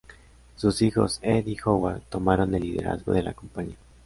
Sus hijos, Ed y Howard, tomaron el liderazgo de la compañía.